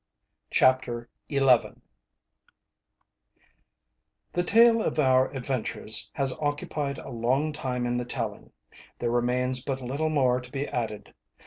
CHAPTER XI The tale of our adventures has occupied a long time in the telling. There remains but little more to be added.